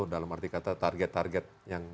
dalam arti kata target target yang